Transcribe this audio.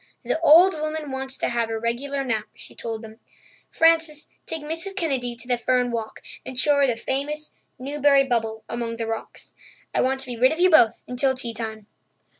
"The old woman wants to have her regular nap," she told them. "Frances, take Mrs. Kennedy to the fern walk and show her the famous 'Newbury Bubble' among the rocks. I want to be rid of you both until tea time."